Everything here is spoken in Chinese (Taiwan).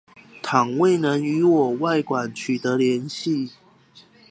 倘未能與我外館取得聯繫